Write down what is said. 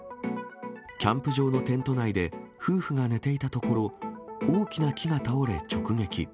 キャンプ場のテント内で夫婦が寝ていたところ、大きな木が倒れ、直撃。